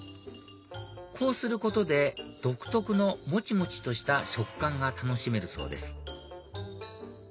こうすることで独特のもちもちとした食感が楽しめるそうです